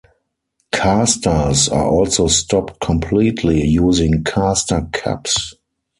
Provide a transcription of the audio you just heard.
Casters are also stopped completely using caster cups.